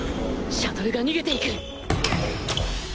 シャトルが逃げていく